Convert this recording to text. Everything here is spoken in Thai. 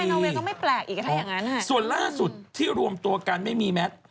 เขาก็ไปนอเวย์ก็ไม่แปลกอีกอะถ้าอย่างนั้นฮะอ๋อส่วนล่าสุดที่รวมตัวกันไม่มีแมท